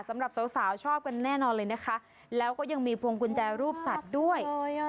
สำหรับสาวสาวชอบกันแน่นอนเลยนะคะแล้วก็ยังมีพวงกุญแจรูปสัตว์ด้วย